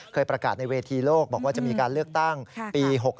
ประกาศในเวทีโลกบอกว่าจะมีการเลือกตั้งปี๖๖